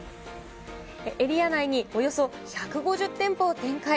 エリア内におよそ１５０店舗を展開。